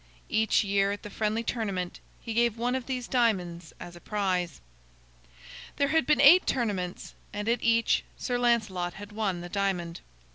Each year at the friendly tournament he gave one of these diamonds as a prize. There had been eight tournaments, and at each Sir Lancelot had won the diamond.